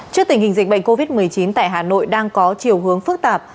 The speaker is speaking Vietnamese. trước tình hình dịch bệnh covid một mươi chín tại hà nội đang có chiều hướng phức tạp